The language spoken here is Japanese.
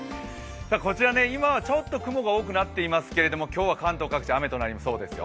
こちら今はちょっと雲が多くなっていますけれども、今日は関東各地雨となりそうですよ。